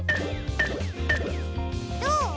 どう？